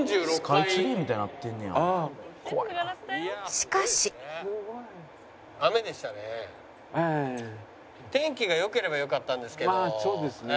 「しかし」天気が良ければよかったんですけど。